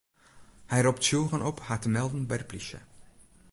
Hy ropt tsjûgen op har te melden by de plysje.